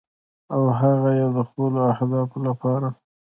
او هغه یې د خپلو اهدافو لپاره